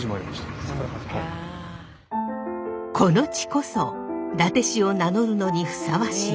この地こそ伊達市を名乗るのにふさわしい。